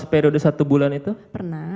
periode satu bulan itu pernah